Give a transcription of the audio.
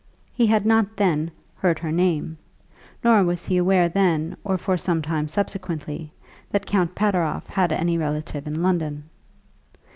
He had not then heard her name; nor was he aware then, or for some time subsequently, that Count Pateroff had any relative in London.